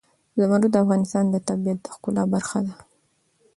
زمرد د افغانستان د طبیعت د ښکلا برخه ده.